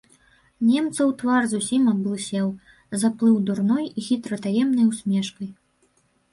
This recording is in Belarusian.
Немцаў твар зусім аблысеў, заплыў дурной і хітра таемнай усмешкай.